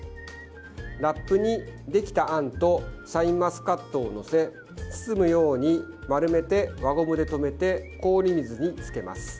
ラップに、できたあんとシャインマスカットを載せ包むように丸めて輪ゴムで留めて氷水につけます。